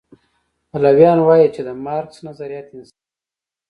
پلویان وایي چې د مارکس نظریات انساني دي.